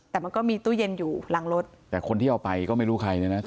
แต่มันก็มีตู้เย็นอยู่หลังรถแต่คนที่เอาไปก็ไม่รู้ใครเนี่ยนะ